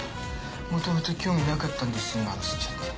もともと興味なかったんですなんて言っちゃって。